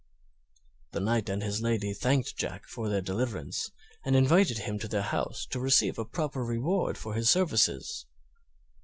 The Knight and his 1ady thanked Jack for their deliverance, and invited him to their house to receive a proper reward for his services.